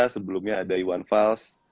sebelumnya ada iwan vals